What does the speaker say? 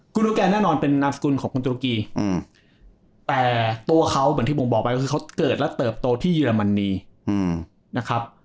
คุณโอแกนแน่นอนเป็นนามสกุลของคุณตุรกีแต่ตัวเขาเหมือนที่ผมบอกไปก็คือเขาเกิดและเติบโตที่เยอรมนีนะครับ